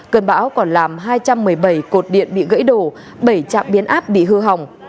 cơn bão còn làm hai trăm một mươi bảy cột điện bị gãy đổ bảy trạm biến áp bị hư hỏng